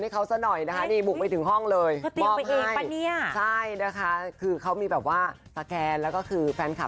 ไปกว่านั้นมียาดมคุณสาธิศด้วยเป็นชื่อละคร